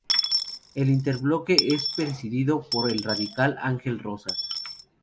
El interbloque es presidido por el radical Ángel Rozas.